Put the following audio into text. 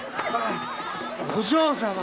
お嬢様。